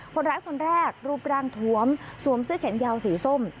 คนร้ายคนแรกรูปร่างทวมสวมเสื้อแขนยาวสีส้ม